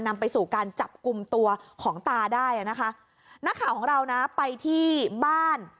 นำไปสู่การจับกลุ่มตัวของตาได้อ่ะนะคะนักข่าวของเรานะไปที่บ้าน